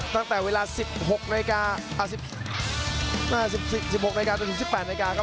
ตั้งแต่เวลาสิบหกนาฬิกาอ่าสิบสิบหกนาฬิกาจนถึงสิบแปนนาฬิกาครับ